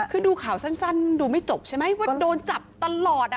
คือดูข่าวสั้นดูไม่จบใช่ไหมว่าโดนจับตลอด